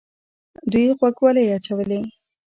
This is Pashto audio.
دوی غوږوالۍ اچولې